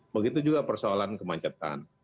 begitu juga persoalan kemancetan